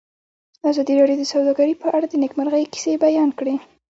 ازادي راډیو د سوداګري په اړه د نېکمرغۍ کیسې بیان کړې.